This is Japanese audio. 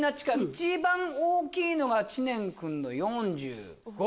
一番大きいのが知念君の４５！